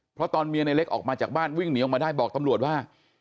เพราะตอนเมียในเล็กออกมาจากบ้านวิ่งหนีออกมาได้บอกตำรวจว่า